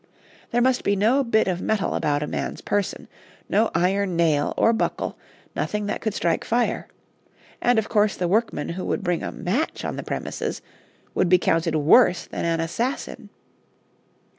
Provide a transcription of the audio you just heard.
There must be no bit of metal about a man's person, no iron nail or buckle, nothing that could strike fire; and of course the workman who would bring a match on the premises would be counted worse than an assassin.